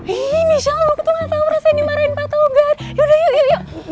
ih insya allah gue tuh gak tau rasanya dimarahin pak togar yaudah yuk yuk yuk